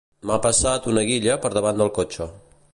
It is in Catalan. M'ha passat una guilla per davant del cotxe